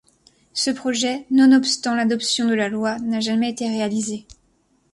Ce projet, nonobstant l'adoption de la loi, n'a jamais été réalisé.